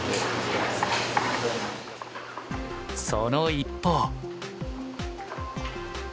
その一方。